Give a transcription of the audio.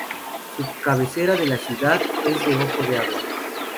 Su cabecera es la ciudad de Ojo de Agua.